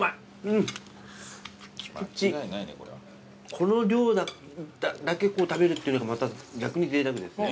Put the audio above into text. この量だけこう食べるっていうのがまた逆にぜいたくですね。